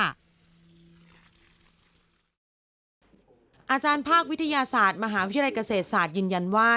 อาจารย์ภาควิทยาศาสตร์มหาวิทยาลัยเกษตรศาสตร์ยืนยันว่า